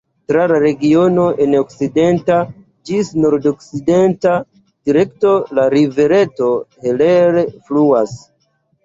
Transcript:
Tra la regiono en okcidenta ĝis nordokcidenta direkto la rivereto Heller fluas.